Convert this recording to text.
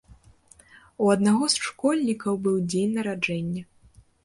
У аднаго з школьнікаў быў дзень нараджэння.